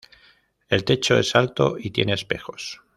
El techo es alto y tiene espejos.